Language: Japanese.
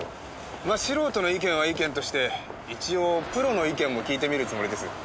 まあ素人の意見は意見として一応プロの意見も聞いてみるつもりです。